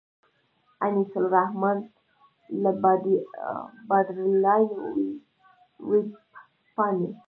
انیس الرحمن له باډرلاین وېبپاڼې.